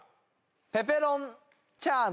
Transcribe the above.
ペペロンチャーノ？